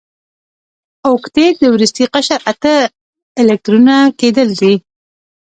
اوکتیت د وروستي قشر اته ال الکترونه کیدل دي.